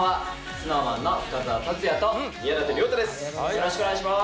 よろしくお願いします。